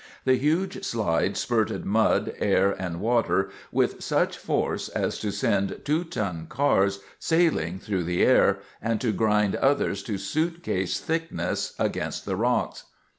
The huge slide spurted mud, air, and water with such force as to send two ton cars sailing through the air, and to grind others to suitcase thickness against the rocks.